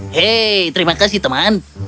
hei terima kasih teman